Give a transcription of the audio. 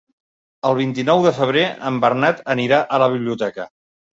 El vint-i-nou de febrer en Bernat anirà a la biblioteca.